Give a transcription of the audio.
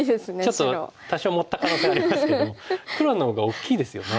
ちょっと多少盛った可能性ありますけども黒のほうが大きいですよね。